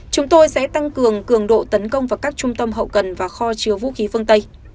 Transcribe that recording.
chúng tôi sẽ tăng cường cường độ tấn công vào các trung tâm hậu cần và kho chứa vũ khí phương tây